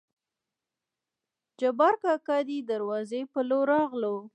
جبارکاکا دې دروازې په لور راغلو.